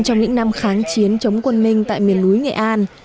trong những năm kháng chiến chống quân minh tại miền núi nghệ an